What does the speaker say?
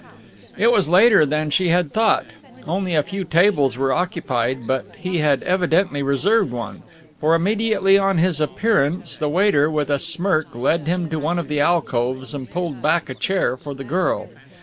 It was later than she had thought. Only a few tables were occupied, but he had evidently reserved one, for immediately on his appearance the waiter with a smirk led him to one of the alcoves and pulled back a chair for the girl.